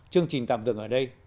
chương trình tạm dừng ở đây